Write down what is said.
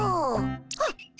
あっ！